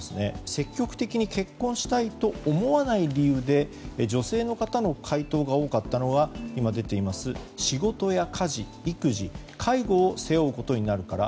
積極的に結婚したいと思わない理由で女性の方の回答が多かったのは仕事や家事、育児を介護を背負うことになるから。